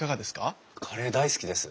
カレー大好きです！